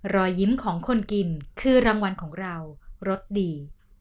รอยยิ้มของคนกินคือรางวัลของเรารสดี